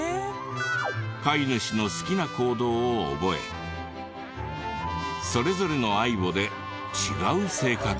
飼い主の好きな行動を覚えそれぞれのａｉｂｏで違う性格に。